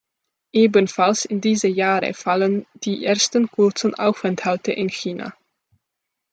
Ebenfalls in diese Jahre fallen die ersten kurzen Aufenthalte in China.